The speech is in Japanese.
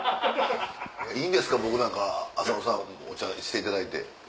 いいんですか僕なんか浅野さんお茶していただいて。